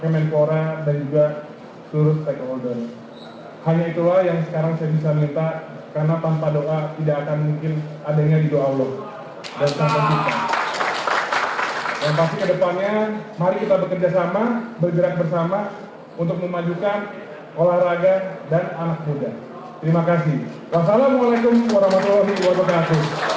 menpora dito mengatakan fokus tersebut terkait kepemudaan adalah meningkatkan keberangkatan contingency games yang akan berlangsung pada mei mendatang